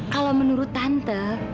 kalau menurut tante